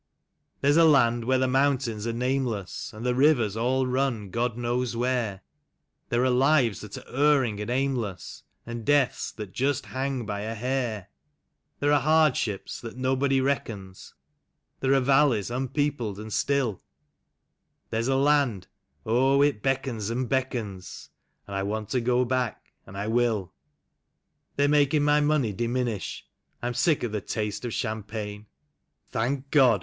There's a land where the mountains are nameless, And the rivers all run God knows where; There are lives that are erring and aimless, And deaths that just hang by a hair; There are hardships that nobody reckons ; There are valleys unpeopled and still; There's a land — oh, it beckons and beckons, And I want to go back — and I will. They're making my money diminish; I'm sick of the taste of cham.pagne. Thanlv God!